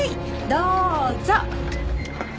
どうぞ。